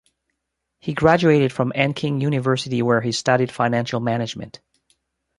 He graduated from Anqing University where he studied financial management.